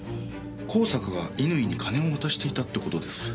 香坂が乾に金を渡していたって事ですか？